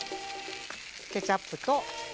ケチャップと。